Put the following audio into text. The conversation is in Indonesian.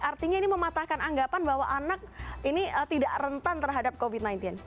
artinya ini mematahkan anggapan bahwa anak ini tidak rentan terhadap covid sembilan belas